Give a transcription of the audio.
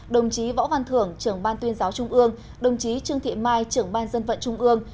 đồng chí võ văn thưởng trưởng ban tuyên giáo trung ương đồng chí trương thị mai trưởng ban dân vận trung ương